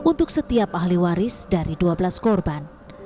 untuk setiap ahli waris dari dua belas korban